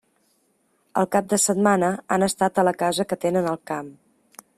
El cap de setmana han estat a la casa que tenen al camp.